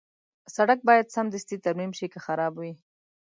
سړک باید سمدستي ترمیم شي که خراب وي.